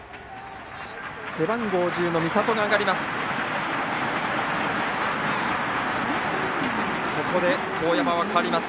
背番号１０の美里が上がります。